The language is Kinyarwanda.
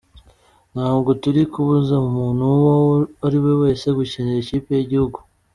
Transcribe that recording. "Ntabwo turi kubuza umuntu uwo ari we wese gukinira ikipe y'igihugu.